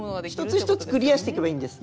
１つ１つクリアしていけばいいんです。